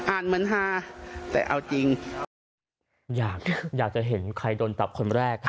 อ่านเหมือนห้าแต่เอาจริงอยากอยากจะเห็นใครโดนตับคนแรก